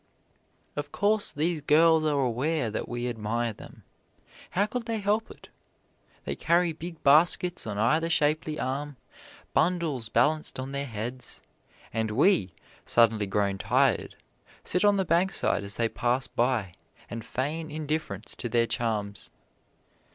Of course, these girls are aware that we admire them how could they help it? They carry big baskets on either shapely arm, bundles balanced on their heads, and we, suddenly grown tired, sit on the bankside as they pass by, and feign indifference to their charms.